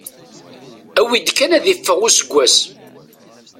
Awi-d kan ad iffeɣ useggas.